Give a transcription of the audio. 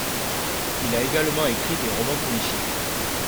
Il a également écrit des romans policiers.